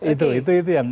itu itu yang